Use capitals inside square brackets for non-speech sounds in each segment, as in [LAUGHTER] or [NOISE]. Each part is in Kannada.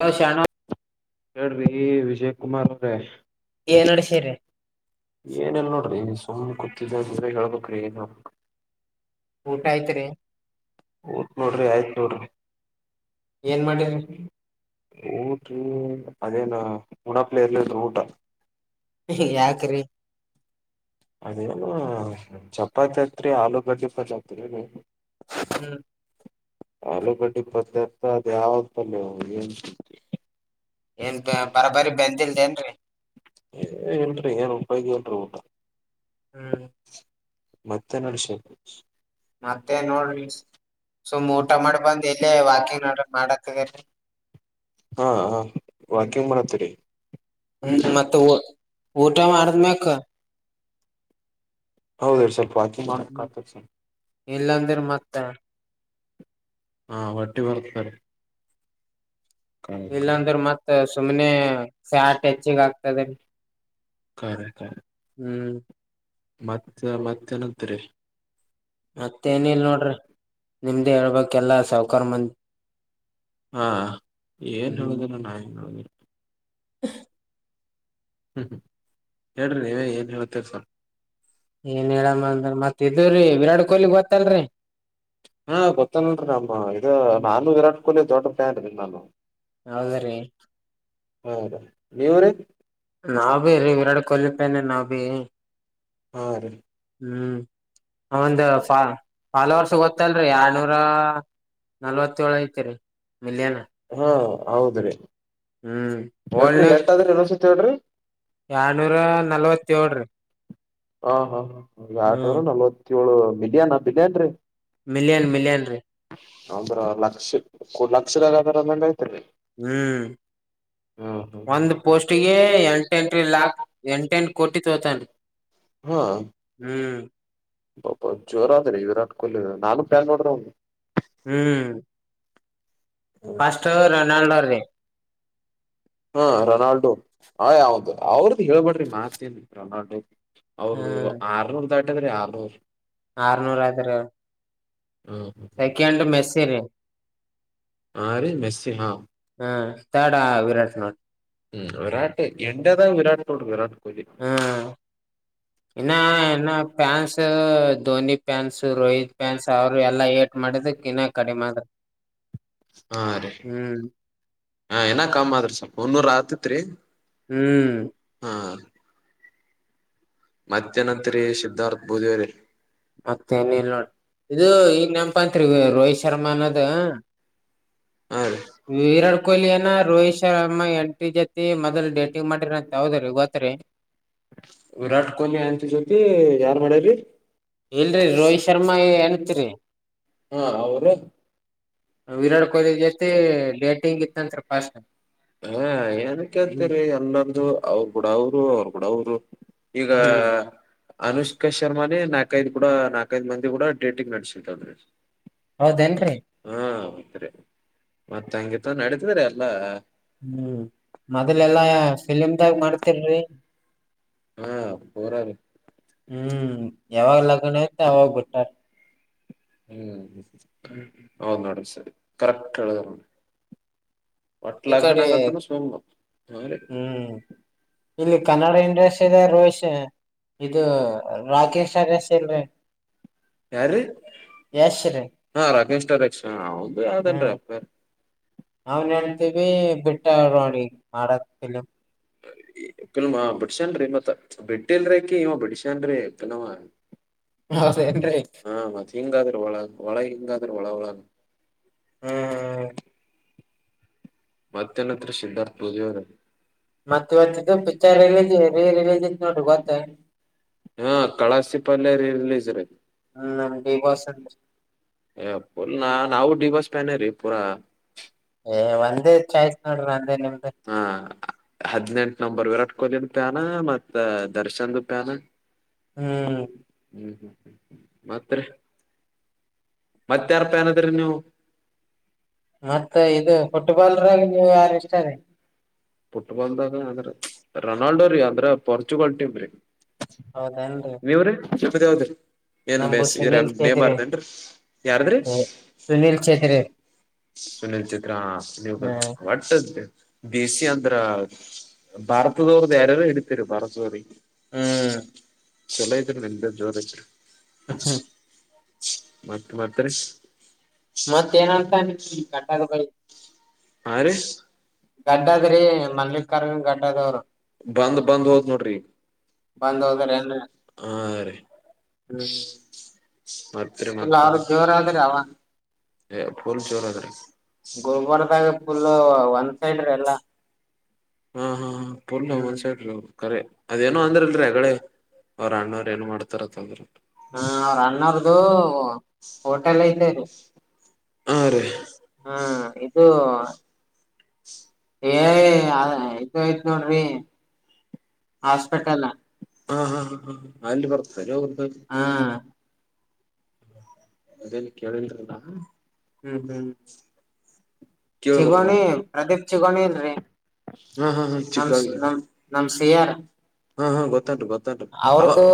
ಹ ಶಣ ಹೇಳ್ರಿ ವಿಜಯ್ ಕುಮಾರ್ ಅವ್ರೆ ಏ ನೋಡ ಸೇರಿ್ರರಿ, ಏನೆಲ್ಲ ನೋಡ್ರಿ ಹ್ಮ ಕೂತ್ತಿದ್ದ ಅಂದ್ರೆ ಹೇಳ್ಬ್ರೀ ಏನ್ು ಊಟ ಐತ್ರಿ ಓದ ನೋಡ್ರಿ ಆಯ್ತು [INAUDIBLE] ಏನ್ ಮಾಡಿರಿ ಮಲ್ಪಡ ಊಟಿ ಅದೇನ ಹಡಾಪ್ಲೇಲ್ಲದು ಊಟ ಯಾಕ್ರಿ ಅದೇನು ಚಪಾತಿ ಆತ್ರಿ ಆಲೂಗಡ್ಡಿ ಪಾತಿ ಹತ್ರಿ ಹ್ಮ ಹ್ಮ್ ಆಲೂಕಟ್ಟಿ ಪತ್ತ ಅದ ಯಾವ ತಮ್ಮಯ ನ್ ಎಲ್ ಬರಬರಿ ಬಂದಿಲ್ದೇನ್ರರಿ ಏ ಏನ್ ಉಪಾಯಿ ನ್ ಊಟಾ ಹ್ಮ್ ಮತ್ತೆ ನಡಸ ಮತ್ತೆ ನೋಡ್ರಿ ಸುಮ್ ಊಟ ಮಾಡಿ ಬಂದ್ ಎಲ್ಲೇ ವಾಕಿಂಗ್ ನಡ್ರ ಮಾಡತ್ತದರಿರಿ ಹಾ ಹ ವಾಕಿಂಗ್ ಮಾಡತ್ತೀರಿ ಹ್ಮ್ ಮತ್ತ ಊಟ ಮಾಡದ್ಮ್ಯಾಕ ಹೌದ ರೀ ಸ್ವಲ್ಪ ಮಾಡಾರ ಕತ ಇಲ್ಲಾಂದ್ರ ಮತ್ತ ಹಾ ವಟ್ಟಿ ಬರ್ತತರ ಇಲ್ಲಾಂದ್ರ ಮತ್ ಸುಮ್ನೆ ಫ್ಯಾಟ್ ಹೆಚ್ಚಿಗ್ ಆಗ್ತದರಿ ಹ್ಮ್ ರ ಮತ್ತ ಮತ್ತೆ ನಂತರಿ ಮತ್ತ ಏನ ಇಲ್ ನೋಡ್ರಿ ನಿಮ್ದ ಹೇಳ್ಬೇಕ ಎಲ್ಲಾ ಸೌ ಕರ್ಮಂ ಹಾ ಏನ್ ಹೇಳುದರ ನಾ ಏನ್ ಹೇಳುದೀನ [INAUDIBLE] ಹ್ಮ್ ಹೇಳ್ರಿ ನೀವ ಏನ್ ಹೇಳ್ತೀರಿ ಸರ್ ಏನ್ ಹೇಳಮ್ಮ ಅಂದ್ರ ಮತ್ ಇದ್ರರಿ ವಿರಾಟ್ ಕೊಹ್ಲಿಗ್ ಗೊತ್ತಲ್ರರಿ ಹಾ ಗೊತ್ತಲ್ಲಲ್ರರಿ ನಮ್ಮ ಇದು ನಾನು ವಿರಾಟ್ ಕೊಹ್ಲಿ ಜರ್ಟರ್ ಪ್ಯಾಂಟ್ ಬನ್ನ ನಾನು ಹೌದ ರೀ ಹೌದಾ ನಾವ ಭ ಇೀ ವಿರಾಟ್ ಕೊಹ್ಲಿ ಪನೆ ನಾವವು ಹ ಹಾ ರೀ ಹ್ಮ್ ಒಂದ ಫಾಲ ವರ್ಷ ಗೊತ್ತಲ್ರಿ ಆರ್ನೂರ ನಲ್ವತ್ತಏಳು ಐತಿರಿ ಮಿಲಿಯನ್ ಹೌದ್ರೀ ಹ್ಮ್ ಎಲ್ರಿ ಓಲ್ಡ್ನಾಗ ಎಷ್ಟಾದ್ರೆ ಎ ಅಂತ ಹೇಳ್ರಿ ಎರಡ್ನೂರ ನಲ್ವತ್ತೇಳ್ರಿ ಹ ಹಾ ಹ ಹ್ಮ್ ಆಟವರ ನಲವತ್ತು [UNINTELLIGIBLE] ಇವಳು ಮಿಲಿಯಾನ ಬಿಲಿಯನ್ರೀ ಮಲಿಯನ್ ಮಲಿಯನ್ ರ ಹಂದ್ರ ಲಕ್ಷ ಲಕ್ಷದಾಗದ್ರಂಗ ಯತರಿ ಹ್ಮ್ ಒಂದು ಪೋಸ್ಟಿಗೆ ಎಂಟ ಎಂಟ್ರಿ ಹಾ ಲಾಕ್ ಎಂಟ ಎಂಟ ಕೋಟಿ ತೋತಾನೆ ಹ್ಮ ಬಾ ಜೋರ ಅದ್ರಿ ವಿರಾಟ್ ಕೊಹ್ಲಿ ನಾನು ಬ್ಯಾಲ್ ನೋಡ್ರಿ ಅವ್ ಹ್ಮ್ ಫಸ್ಟ್ ರೊನಾಲ್ಡೋ ಅ ರ ಹಾ ರೊನಾಲ್ಡೊ ಆ ಅವಾವ್ದ ಅವ್ರದ್ದು ಹೇಳ್ಬಡ್ರಿ ಮಾತೇನ್ ರೊನಾಲ್ಡೋ ಅವೌ್ರದು ಆರ್ನೋ ಅ ಅಂದರೆ ಆ ಆರನೂರ ಆತ್ ಹ್ಮ್ ಮೆಸ ಹಾ ರ ಮೆಸ ಹಾ ತ ಸ್ನ ಹ್ಮ್ ವಿರಾಟ್ ಎೇದಾ ವಿರಾಟ ತೋಡ್ ವಿರಾಟ್ ಕೊಹ್ಲಿ ಹ್ಮ ನ್ನ ಫ್ಯಾನ್ಸ್ ಧವನಿ ಏಟ್ ಮಾಡಿದಕ್ ಇನ್ನ ಕಡಿಮೆ ಆದ್ರ ಹಾ ರೀ ಹ್ಮ್ ಹ ಏನ ಕಮ್ಮ್ ಆದ್ರಿ ಒನ್ನೂರ ಆತತ್ರಿ ಹ್ಮ್ ಹಾ ಮಧ್ಯ್ಯಾನತ್ರಿ ಸಿದ್ಧಾರ್ಥ ಬೂದವರಿ ಮತ್ತೆನಲ್ ನೋಡಿ ಇದು ಈ ನೆಪಾಂತ್ರಿಗರು ಶರಮಾನದ ಹಾ ರ ಏನ ರೋಹಿತ್ ಶರ್ಮಾ ಎಂಟ್ರಿ ಜತಿ ಮೊದಲ್ ಡೇಟಿಂಗ್ ಮಾಡಿರ ಅಂತ ಹೌದ್ರೀ ಗೊತ್ರಿ ವಿರಾಟ್ ಕೊಹ್ಲಿ ಅಂತ ಜೊತೆ ಯಾರ್ ಮಾಡ್ಯರಿ ಇಲ್ರಿ ರೋಹಿತ್ ಶರ್ಮಾ ಏ ಅನ್ತ್ರಿ ಾ್ ಡೇಟಿಂಗ್ ಇತ್ತಂತ್ರಿ ಫಸ್ಟ್ ಹಾ ಏನ್ ಹ್ಮ್ ಕೇಳ್ತೀರಿ ಎಲ್ಲೊಂದು ಅವ್ರ ಕೂಡ ಅವರು ಅವ್ರ ಕೂಡ ಅವರು ಈಗ ಅನುಷ್ಕಾ ಶರ್ಮಾದೆ ನ ನಾಕೈದು ಕೂಡ ನಾಲ್ಕೈದ ಮಂದಿ ಕೂಡೇಟಿ ನಡ್ಸಿತದ್ರಿ. ಹೌದೇನ್ರಿ? ಹೌದ್ರಿ, ಮತ್ತ ಹಂಗಿತ ನಡಿತದ್ರಿ ಎಲ್ಲಾ. [UNINTELLIGIBLE] ಹ್ಮ್ ಹ್ಮ ಮೊದಲೆಲ್ಲಾ ಫಿಲಿಮ್ದಾಗ ಮಾಡ್ತಿರ್ರಿ ಹ್ಮ್ ಯಾವಾಗ ಲಗ್ನ ಐತಿ ಅವಾಗ ಬಿಟ್ಟಾರ ಹ್ಮ್. ಹ ಹ್ಮ [UNINTELLIGIBLE] ಕರೆಕ್ಟ್ ಆಳೆ ಈ ಒಟ್ಲಕ ಕಡೆ ನಂತ ಸೋ [UNINTELLIGIBLE] ಹ್ಮ್ ಇಲ್ಲಿ ಕನ್ನಡ ಇಂಡಸ್ಟ್ರಿದ ರೋಹಿತ್ ಶೆ- ಇದು ರಾಕೇಶ್ ಅರಸ್ ಇಲ್ರಿ ಯಾರ್ರಿ ಯಶ್ ಹ ರಾಕೇಶ್ ಕ್ಷ ಅವ ಯಾವ್ದನ್ ಅವನ್ ಹೆಂಡ್ತಿನು ಬಿಟ್ಟಳ್ ನೋಡ್ರಿ ಮಾಡದ್ ಫಿಲಮ್. ಸರಿ ಕೆಲ್ಮ ಬಿಡ್ಸೇನ್ರಿ ಇಪ್ಪತ್ತ್ ಬಿಟ್ಟಿಲ್ರಕಿ ಇವ ಬಿಡಶನ್ರೀ ಫಿಲಮ ಹೌದೇನ್ರಿ ಹಾ ಮತ್ತ ಹಿಂಗಾದ್ರೆ ಒಳಗ ಒಳಗ ಹಿಂಗಾದ್ರ ಒಳ ಒಳ ಹ್ಮ್ ಮತ್ತೇನತ್ರ ಸಿದ್ಧಾರ್ಥ ಪೂಜಿಯದು? ಮತ್ ಇವತ್ ಇದು ಪಿಕ್ಚರ್ ರಿಲೀಸ್ ರೀ ರಿಲೀಸ್ ಇತ್ ನೋಡ್ರಿ ಗೊತ್ತ [UNINTELLIGIBLE] ಹಾ ಕಳಸಿಪಾಲ್ಯ ರಿರಿಲೀಜ್. ತ್ತುರಿ. ಹ್ಮ್ ನಮ್ ಬಿಗ್ ಬಾಸ್ ಅಂತ [UNINTELLIGIBLE] ಯಪ್ಪಾ ನವು ಡಿಬಾಸ್ ನ್ ರೀ ಪೂರಾ ಏ ಒಂದೆ ಹಾ ಹದಿನೆಂಟು ನಂಬರ್ ವಿರಾಟ್ ಕೊಲಿನ್ ಪ್ಯಾನ ಮತ್ತ ದರ್ಶನ್ದ ಪ್ಯಾನ ಹ್ಮ್ ಹ್ಮ್ ಹ್ಮ್ ಮತ್ತ ಮತ್ತೆ ಯಾರ ಫ್ಯಾನ್ ಆದ್ರಿ ನೀವು? ಮತ್ತೆ ಇದು ಫುಟ್ಬಾಲ್ರಿ. ಫುಟ್ಬಾಲ್ದಾಗ ಅ ರೊನಾಲ್ಡೋ ರೀ ಅಂದ್ರೆ ಪೋಾರ್ಚುಗಲ್ ಟೀಮ ರೀ. ಹೌದನ್ರಿ ನೀವ್ರೀ ನಿಮ್ದು ಯಾವದ್ರಿ? ಏನ್ ನಮು ಬೇಸ್ ಇದ ಸುನೀಲ್ ಚೇತ್ರಿ ನೇಮಾರ್ ಯಾರದ್ರಿ ಸುನೀಲ್ ಚೇತ್ರಿ ಸುನಿಲ್ ಚೆಟ್ರಿ ನೀವ ಬಂತ ಹ್ಮ್ ಒಟ್ಟಂತೆ ದೇಸಿ ಅಂದ್ರ ಭಾರತದೋರ್್ದ ಯಾರಾರೂ ಇಡ್ತರು ಭಾರತದೋರಿ ಹ್ಮ ಹ್ಮ್ ಚಲೋ ಇದ್ರ ನಿನ್್ದ ಜೋರ ಹ [INAUDIBLE] ಹ್ಮ ಮತ್ತೆ ಮತ್ತ ರೀ ಮತ್ತ ಏನಂತ ಕಟಲು ಹಾ ರೀ [UNINTELLIGIBLE] ಗಡ್ಡಾದರಿೀ ಮಲ್ಲಿ ರ ಕಟ್ಟದರ [UNINTELLIGIBLE] ಬಂದ್ ಬಂದ್ ಹೋದ್ ನೋಡ್ರ [UNINTELLIGIBLE] ಬಂದ್ ಹೋದ್ರ ಏನ್ರಿ ಹಾ ರೀ ಹ್ಮ್ ಅ [UNINTELLIGIBLE] ಫುಲ್ ಅವ್ರ [UNINTELLIGIBLE] ಜೋರ ಆದ್ರಿ ಅವ ಹ ಪೂಲ್ ಜೋರಾದ್ರಿ ಗುಲ್ಬರ್ದಾಗ ಫುಲ್ ಗೋಬ [UNINTELLIGIBLE] ಒಂದ್ ಬ ಸೈಡ್ ರೀ ಎಲ್ಲಾ ಹಾ ಹಾ ಹ [UNINTELLIGIBLE] ಹ್ಮ್ ಒನೆಸೈಡ್ ಕರೆ ಹ ಅದೇನೋ ಅಂದ್ರಲ್ರಿ ಹೆಗಗಳಡೆ ಅವ್ರ ಅಣ್ಣವ್ರ ಏೋನೋ ಮಾಡ್ತಾರಂದ್ರ ಅವ್ರ ಅಣ್ಣರ್ದು ಹೋಟೆಲ್ ಐತೆ ರೀ ಹಾ ರ ಹ್ಮ್ ಇದು [UNINTELLIGIBLE] ಏ ಆಯ್ತ ಆಯ್ತ ನೋಡ್ರಿ ಹಾಸ್ಪಿಟಲ್ ಹ ಹ ಹ ಹ ಅಲ್ಲಿ ಬರ್ತಾರೆ ಅವ್ರು ಹಾ ಹ್ಮ್ ಅದೇಲ್ಲಿ ಕೇಳಾರಲ್ಲ [INAUDIBLE] ಹ್ಮ ಹ್ಮ್ ಹ್ಮ್ [INAUDIBLE] ಕ ಹಾ ಚಿಗೋಣಿ ಪ್ರದೀಪ್ ಚಿಗೋಣಿ ಇಲ್ರಿ [UNINTELLIGIBLE] ಹಾ ಹಾ ಚ ನಮ್ ಹಾ ನಮ್ ನಮ್ ಸಿಯಾರ್ ಹಾ [UNINTELLIGIBLE] ಗೊತ್ತತು ಗೊತ್ತತು ಅವ್ರದುು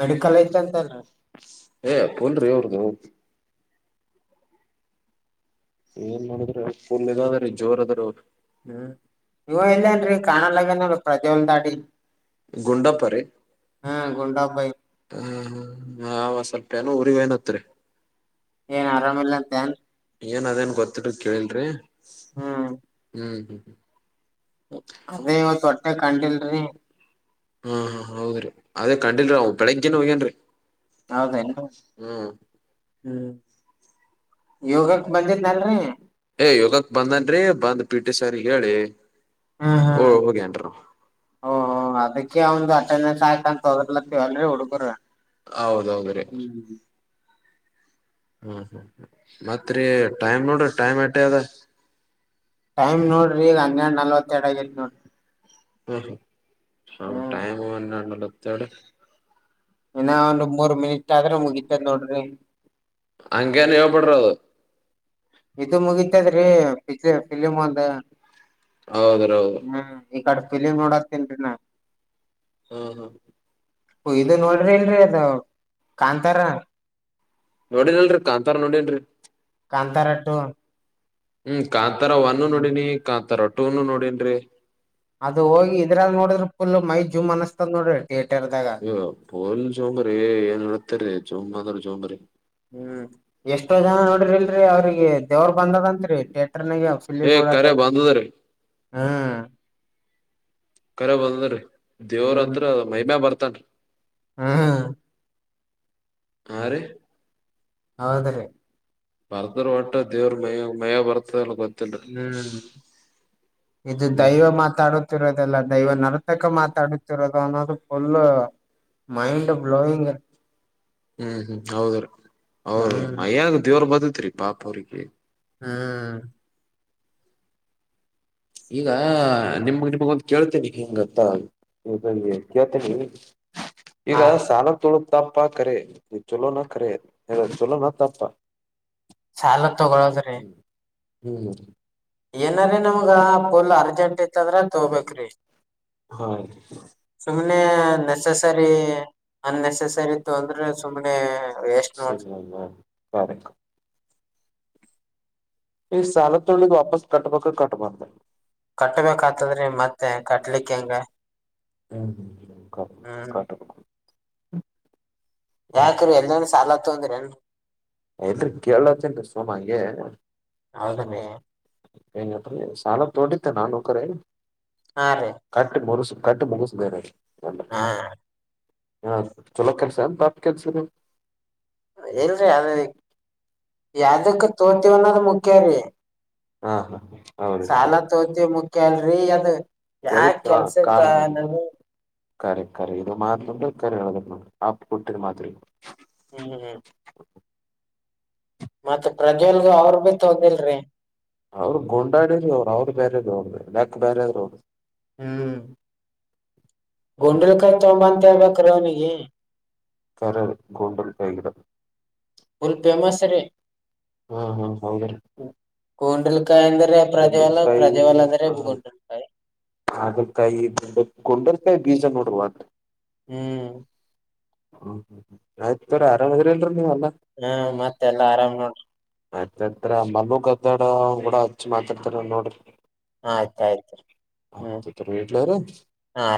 ಮೆಡಿಕಲ್ ಐತ್ ಅಂತಲ್ರಿ ಏ ಪನ್ರಿೀ ಅವರ್ದು ಏನ್ ಮಾಡಿದ್ರ ಪೂಮ ಅದ್ರೀ ಜೋರ್ ಅದ್ರರು ಹ್ಮ್ ಇವ ಇಲ್ಲನ್ರಿ ಕಾಣಲ್ಲಗನಲ್ ಪ್ರಜ್ವಲ್ ದಾಡಿ [UNINTELLIGIBLE] ಗುಂಡಪ್ಪ ರೀ ಹ್ಮ ಗುಂಡಬ್ಬೈ ಹ ಸ್ವಲ್ಪ ನೋ [UNINTELLIGIBLE] ಉರಿವೇನತ್ರರಿ ಏನ್ ಆರಾಮಿಲ್ಲ ಅಂತಏನ್ ಏನ್ ಅದೇನ್ ಗೊತ್ತಿರದ್ ಕೇಳಲ್ರಿ ಹ್ಮ ಹ್ಮ್ ಹ್ಮ್ ಹ್ಮ್ ಹ್ಮ ಅದೇ ಇವತ್ ಹೊಟ್ಟೆ ಕಂಡಿಲ್ರಿ ಹಾ ಹಾ ಹೌದ ರೀ ಅದೇ ಕಂಡಿಲ್ರೀ ಅವ್ ಬೆಳಿಗ್ಗೆನ್ ಹೋಗ್ಯನ್ರಿ ಹೌದೇನ್ ಹ್ಮ್ ಹ್ಮ್ ಬ ಯೋಗಕ್ ಬಂದಿದ್ನಲ್ರಿ ಏ ಯೋಗಕ್ ಬಂದನ್ರಿ ಪ್ಪ ಅಂದ ಪಿ ಟಿ ಸಾರಿ ಹೇಳಿ ಹ ಹ್ಮ್ ಓ ಹ್ಮ್ ಹೋಗಿಟ ಓ ಅದಕ್ಕೆ ಅವಂದು ಅಟೆಂಡೆನ್ಸ್ ಹಾಕಂತ ಹೋದರ್ಲತ್ತವಲ್ರಿ ಹುಡುಗರು ಹೌದೌದ ರೀ ಹ್ಮ್ ಹ್ಮ್ ಹ್ಮ್ ಮತ್ರಿ ಟೈಮ್ ನೋಡ್ರಿ ಟೈಮ್ ಎಟ ಅದ ಟೈಮ್ ನೋಡ್ರಿ ಈಗ ಹನ್ನೆರಡ್ ನಲ್ವತ್ತೆರಡ್ ಆಗೇತ್ ನೋಡ್ರಿ ಹ ಹ್ಮ್ ಟೈಮ್ ತ್ತ ಇನ್ನ ಒಂದ ಮೂರ್ ಮಿನಿಟ್ ಆದ್ರೆ ಮುಗಿತದ ನೋಡ್ರಿ ಹಂಗಗೆನು ಹೇಳ್ ಬಿಿಡ್ರೋದು ಇದು ಮುಗತದ್ರಿ ಫಿಲಿಮ್ ಒಂದ ಹೌದ್ರಿ ಹೌದು ಈ ಕಡೆ ಫಿಲಿಮ್ ನೋಡತನ್ರಿೀ ನ ಹಾ ಇದು ನೋಡ್ರಿ ಇಲ್ರರಿ ಅದ ಕಾಂತಾರ ನೋಡಿಿನ ಅಲ್ರರಿ ಕಾಂತಾರ ನೋಡಿಲ್ರಿ ಹ್ಮ ಕಾಂತಾರಟ್ಟು ಹ್ಮ್ ಕಾಂತಾರ ಒವನ್ನು ನೋಡಿನಿ ಕಾಂತಾರ ೂನು ನೋಡನ್ರಿ ಅದು ಹೋಗಿ ಇದ್ರಲ್ ನೋಡಿದ್ರ ಫುಲ್ ಮೈ ಜೂಮ್ ಅನಸ್ತದ ನೋಡ್ರಿ ಥಿಯೇಟರ್ದಾಗ ಇ ಚೊಂಬ ಅಂದ್ರ ಚೋಂಬ್ರ ಹ್ಮ್ ಎಷ್ಟೋ ಜನ ನೋಡರಿಿ ಇಲ್ರರಿ ಅವ್ರಿಗೆ ದೇವ್ರ ಬಂದದಂತ್ರಿ ಟರ್ ಏ ನಫ ಕರೆ ಬಂದದ್ರೀ ಹ್ಮ್ ಕರ ಬಂದ್ರರಿ ದೇವ್ರಂ ಹ್ಮ್ ಮೈಮ್ಯಾ ಬರ್ತನ್ಿ ಹ್ಮ್ ಆರ ಹೌದ್ರಿ ಪರತರ ೋಟ ದೇವ್ರ ಮಯ ಮಯ ಬರ್ತ ಅ ಗೊತ್ತ ಹ್ಮ್ ಇದು ದೈವ ಮಾತಾಡುತ್ತಿರೋದೆಲ್ಲ ದವ ನರ್ತಕ ಮಾತಾ ಅಡತರನ್ನ ಫು ಮೈಂಡ್ ಬ್ಲೋಿಂಗ್ ಹ್ಮ್ ಹ್ಮ್ ಹ್ಮ ವರು ಬದುತ್ೀ ಪಾಪ ಅವ್ರಿಗೆ ಹ್ಮ್ ಈಗ ನಿಮ್ ಕೇಳ್ತೇನಿ ಹಿಂಗತ್ತ ಕೇಳ್ತೇನಿ ಹ ಈಗ ಸಾಲ ತೊಳ ತಾಪ್ಪಾೇ ಚಲೋ ನ ಕೇ ಚಲೋ ನ ತಾಪ್ಪಾ ಸಾಲ ತಗೊಳೋದ್ರಿ ಹ್ಮ್್ಮ ಏನಾರ ನಮ್ಗ ಫುಲ್ ಅರ್ಜೆಂಟ್ ಇತ್ತಂದ್ರ ತೋಬೇಕ್ರಿ ಸುಮ್ನೆ ನೆಸಸರಿ ಯತ ಅನ್ನೆಸಸರಿ ತೊಂದ್ರೆ ಸುಮ್ನೆ ವೇಸ್ಟ್ ನೋಡ್ರಿ ನಿ ಈ ಸಾಲ ತೊಳ ವಾಪಸ್ ಕಟ್ಟ ಪಕ್ಕ ಕಟ್ಟ ಬಂದದ ಕಟ್ಬೇಕ ಆತದ್ರಿ ಮತ್ತೆ ಕಟ್ಲಿಕ್ ಹೆಂಗ ಹಾ ಹ ಕ ಕಟ್ಟು ಹ್ಮ ಯಾಕ್ರ ಎಲ್ಲ ಸಾಲ ತೊಂದ್ರೆನ್ ಯತ್ ಕೇಳಲತ್ತಂಗ ಸೋಮಗೆ ಹೌದ ರೀ ಸಾಲದ ತೋಡಿತ್ತ ನಾನುಕರ ಹಾ ಹ್ಮ್ ರೀ ಕಕ್ ಮರುಸ ಕಟ್ಟು ಮುಗಿಸಾರೆ ಹಾ ಹಾ ಚಲೋ ಕೆಲ್ಸ ಬಾಪ ಕೆಲ್ಸ ಹ ಯದಕ್ಕೆ ತೋತವಣಾದ ಮುಖ್ಯ ರ ಹಾ ಹಾ ಹ ಮುಖ್ಯ ಅಲ್ರಿ ಅದ್ ಯಾ ಕೆಲ್ಸಕ್ಕ ನಾನು ಕರೆ ಕರಿ ಇದು ಮಾತ್ರು ಕರಿೋದನ್ನು ಹಪ್ ಕೊಟ್ಟಿರ ಮಾತ್ರಿ ಹ್ಮ್ ಮತ್ ಪ್ರಜ್ವಲ್ಗ ಅವ್ರಗು ತೊಂದರೆ ಇಲ್ರೀ ಅವ್ರು ಗುಂಡ ಡಾಡ ಅವ್ರು ಅವ್ರರು ಬೇರೆವರು ಯಾಕ್ ಬೇರೆ ಆದ್ರರು ಹ್ಮ್ ಗುಂಡಲ್ಕಾಯ್ ತೊಂಬ ಕರರ್ ಗೋಂಡಲ್ ಕೈಗಿಡ ಫುಲ್ ಫೇಮಸ್ ರೀ ಹಾ ಹಾ ಹೌದ ಗೊಂಡಲ್ಕಾಯಿ ಅಂದ್ರೆ ಪ್ರಜ್ವಲ್ ಪ್ರಜ್ವಲ್ ಅಂದ್ರೆ ಗೊಂಡಲ್ಕಾಯಿ ಹಾಗಲ ಕಾಯಿ ಬೀಜ ನೋಡುವಂತ ಹ್ಮ್ ಹ್ಮ್ ಹ್ಮ್ ಆಯ್ತರಿ ಆರಾಮ್ ಇದ್ರಲ್ರರಿ ನೀವು ಹ್ಮ ಮತ್ತೆ ಎಲ್ಲಾ ಆರಾಮ್ ನೋಡ್ರಿ ಮಯ್ತ್ರ ಮನು ಗದ್ದಡ ಕೂಡ ಹಚ್ಚ ಮಾತಾಡ್ತಾರ ನೋಡ್ರಿ ಆಯ್ತಾಆಯ್ತುರಿ ಹ್ಮ್ ಆಯ್ತ್ ತೋರಿ ಇಡ್ಲರಿ ಹಾ